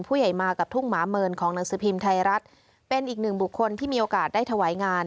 ผู้ใหญ่มากับทุ่งหมาเมินของหนังสือพิมพ์ไทยรัฐเป็นอีกหนึ่งบุคคลที่มีโอกาสได้ถวายงาน